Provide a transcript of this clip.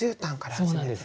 そうなんです。